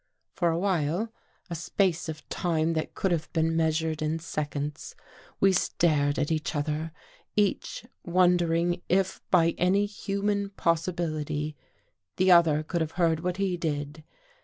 For a while — a space of time that could have been measured in seconds, we stared at each other, each wondering if by any human possibility, the other could have heard what he did.